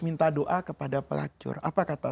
minta doa kepada pelacur apa kata